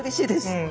うん。